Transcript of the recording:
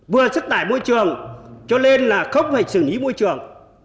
vừa sức tải môi trường cho nên là không phải xử lý môi trường